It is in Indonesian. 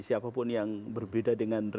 siapapun yang berbeda dengan rezim itu